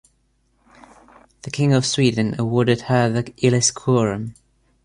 The King of Sweden awarded her the Illis quorum.